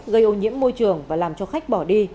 gây ô nhiễm môi trường và làm cho khách bỏ đi